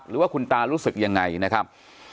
หรือว่าคุณตารู้สึกยังไงนะครับ